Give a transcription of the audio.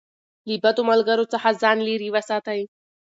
له بدو ملګرو څخه ځان لېرې وساتئ.